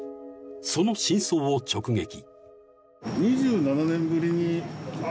［その真相を直撃］